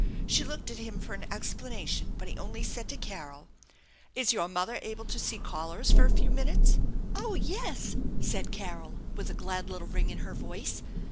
She looked at him for an explanation, but he only eaid to Carol, " Is your mother able to see callers for a few minutes ?"" Oh, yes," said Carol with a glad little ring in her voice.